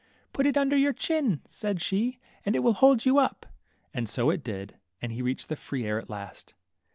Put it under your chin," said she, and it will hold you up." And so it did, and he reached the free air at last.